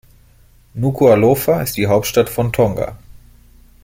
Nukuʻalofa ist die Hauptstadt von Tonga.